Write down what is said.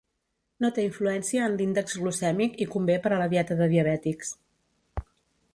No té influència en l'índex glucèmic i convé per a la dieta de diabètics.